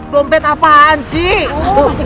dompet apaan sih